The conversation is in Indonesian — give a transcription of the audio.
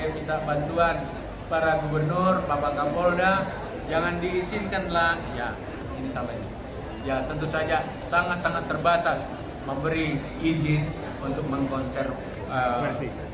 ya tentu saja sangat sangat terbatas memberi izin untuk mengkonservasi